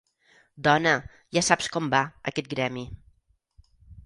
Dona, ja saps com va, aquest gremi.